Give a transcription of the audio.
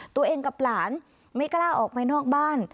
ตัวเองกับหลานไม่กล้าออกไปนอกบ้าน